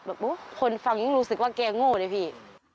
คนฟังยิ่งรู้สึกว่าแกโง่เลยพี่